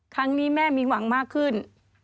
ครั้งนี้แม่มีหวังมากขึ้น